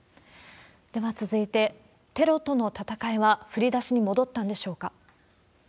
では続いて、テロとの戦いは振り出しに戻ったんでしょうか。